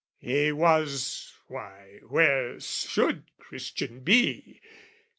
He was why, where should Christian be?